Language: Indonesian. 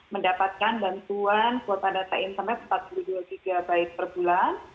mendapatkan bantuan kuota data internet empat puluh dua gb per bulan